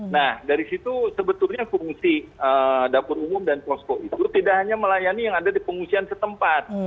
nah dari situ sebetulnya fungsi dapur umum dan posko itu tidak hanya melayani yang ada di pengungsian setempat